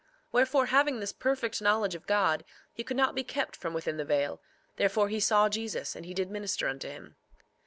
3:20 Wherefore, having this perfect knowledge of God, he could not be kept from within the veil; therefore he saw Jesus; and he did minister unto him.